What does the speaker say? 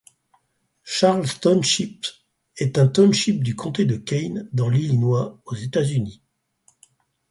Charles Township est un township du comté de Kane dans l'Illinois, aux États-Unis.